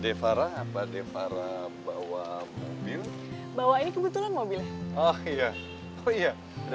devara apa devarah bawa mobil bawa ini kebetulan mobil oh iya oh iya ada